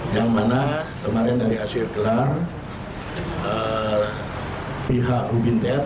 yang mana kemarin dari hasil gelar pihak ubinter